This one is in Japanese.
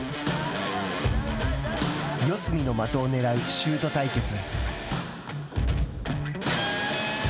四隅の的を狙うシュート対決。